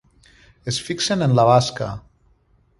Es fixen en la basca.